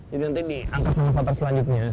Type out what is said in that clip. jadi nanti diantus sama foto selanjutnya